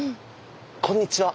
こんにちは。